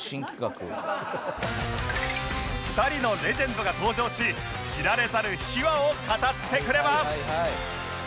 ２人のレジェンドが登場し知られざる秘話を語ってくれます